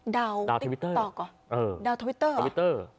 ดาวทวิตเตอร์อ่ะดาวทวิตเตอร์อ่ะ